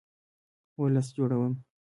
هو، لست جوړوم